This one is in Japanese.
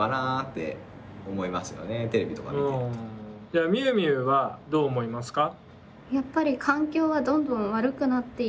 じゃあみゆみゆはどう思いますか？